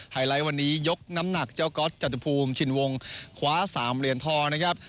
ไลท์วันนี้ยกน้ำหนักเจ้าก๊อตจตุภูมิชินวงคว้า๓เหรียญทองนะครับ